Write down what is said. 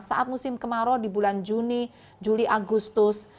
saat musim kemarau di bulan juni juli agustus